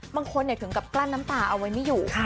ถึงกับกลั้นน้ำตาเอาไว้ไม่อยู่